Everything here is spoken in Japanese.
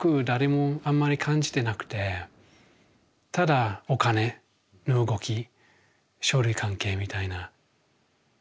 誰もあんまり感じてなくてただお金の動き書類関係みたいな。